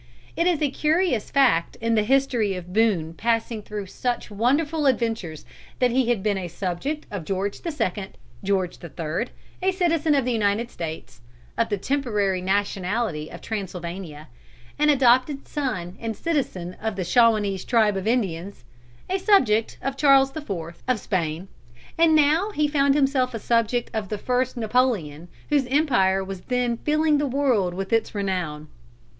It is a curious fact in the history of Boone passing through such wonderful adventures, that he had been a subject of George II., George III., a citizen of the United States, of the temporary nationality of Transylvania, an adopted son and citizen of the Shawanese tribe of Indians, a subject of Charles IV. of Spain, and now he found himself a subject of the first Napoleon, whose empire was then filling the world with its renown.